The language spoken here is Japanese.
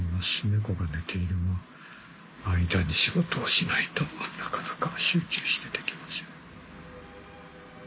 猫が寝ている間に仕事をしないとなかなか集中してできません。